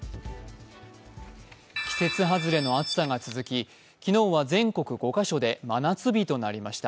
季節外れの暑さが続き昨日は全国５か所で真夏日となりました。